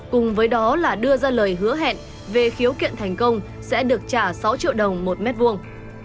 cùng với đó là đưa ra lời hứa hẹn về khiếu kiện thành công sẽ được trả sáu triệu đồng một mét vuông